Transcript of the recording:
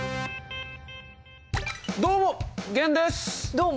どうも！